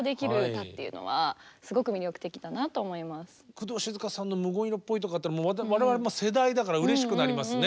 工藤静香さんの「ＭＵＧＯ・ん色っぽい」とかって我々も世代だからうれしくなりますね。